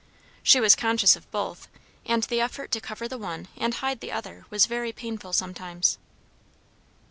She was conscious of both, and the effort to cover the one and hide the other was very painful sometimes.